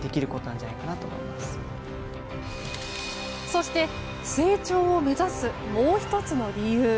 そして、成長を目指すもう１つの理由。